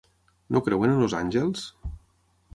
No creuen en els àngels?